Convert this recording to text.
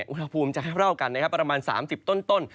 อุณหภูมิจะแค่เท่ากันประมาณ๓๐ต้น